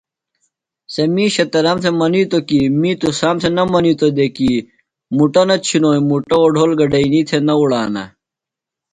سےۡ مِیشہ تنام تھےۡ منِیتو کی می تُسام تھےۡ نہ منِیتوۡ دئے کی مُٹہ نہ چِھنوئی مُٹہ اوڈھول گڈئینی تھےۡ نہ اُڑانہ۔